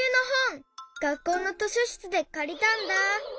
がっこうの図書しつでかりたんだ！